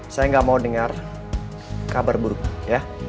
saya nggak mau dengar kabar buruk ya